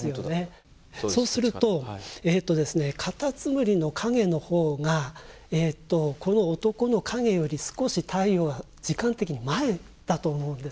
そうするとカタツムリの影のほうがこの男の影より少し太陽が時間的に前だと思うんですよ。